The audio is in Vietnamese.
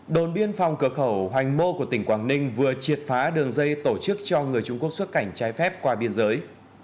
đồn biên phòng cửa khẩu hoành mô của tỉnh quảng ninh vừa triệt phá đường dây tổ chức cho người trung quốc xuất cảnh trái phép qua biên giới